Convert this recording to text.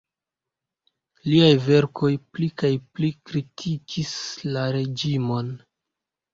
Liaj verkoj pli kaj pli kritikis la reĝimon.